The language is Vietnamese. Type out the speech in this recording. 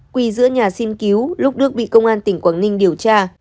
quy giữa nhà xin cứu lúc đức bị công an tỉnh quảng ninh điều tra